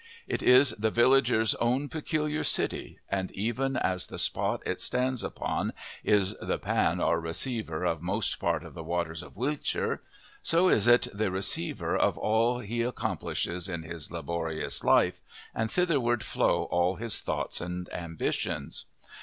It is the villager's own peculiar city, and even as the spot it stands upon is the "pan or receyvor of most part of the waters of Wiltshire," so is it the receyvor of all he accomplishes in his laborious life, and thitherward flow all his thoughts and ambitions.